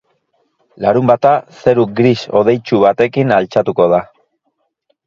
Larunbata zeru gris hodeitsu batekin altxatuko da.